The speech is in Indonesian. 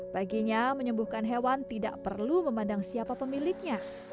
baginya menyembuhkan hewan tidak perlu memandang siapa pemiliknya